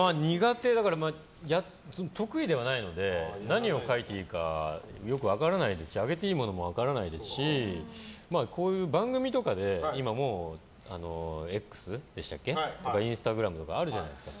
得意ではないので何を書いていいかよく分からないですしあげていいものも分からないですしこういう番組とかで今、Ｘとかインスタグラムとかあるじゃないですか。